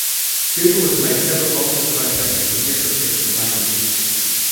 Google has made several alternate homepages for different fictional languages.